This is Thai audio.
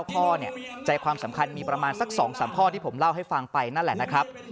พ่อเนี่ยใจความสำคัญมีประมาณสัก๒๓พ่อที่ผมเล่าให้ฟังไปนั่นแหละนะครับ